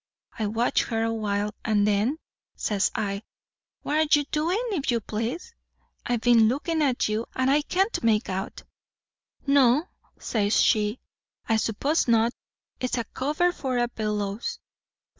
I watched her a while, and then, says I, 'What are you doin', if you please? I've been lookin' at you, and I can't make out.' 'No,' says she, 'I s'pose not. It's a cover for a bellows.'